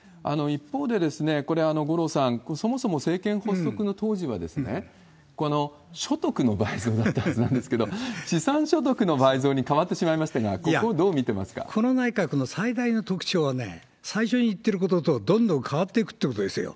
一方で、これ、五郎さん、そもそも政権発足の当時は、所得の倍増だったはずなんですけど、資産所得の倍増に変わってしまいましたが、ここ、どう見てますかこの内閣の最大の特徴はね、最初に言ってることとどんどん変わっていくってことですよ。